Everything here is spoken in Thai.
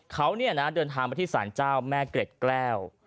เขาเดินทางมาที่สารเจ้าแม่เกร็ดแก้ว